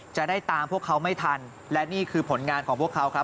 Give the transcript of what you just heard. จะได้ตามพวกเขาไม่ทันและนี่คือผลงานของพวกเขาครับ